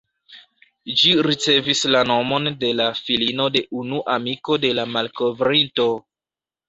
Ĝi ricevis la nomon de la filino de unu amiko de la malkovrinto.